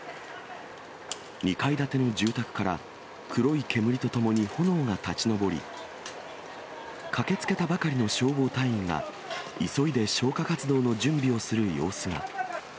２階建ての住宅から黒い煙とともに炎が立ち上り、駆けつけたばかりの消防隊員が、急いで消火活動の準備をする様子が。